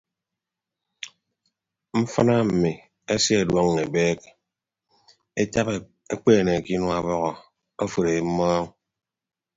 Mfịnne mmi esie ọduọñọ ebeek etap ekpeene ke inua ọbọhọ oforo mmọọñ.